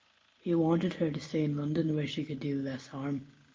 He wanted her to stay in London where she could do less harm.